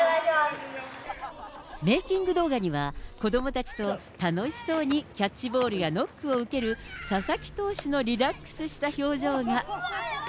メーキング動画には、子どもたちと楽しそうにキャッチボールやノックを受ける、佐々木投手のリラックスした表情が。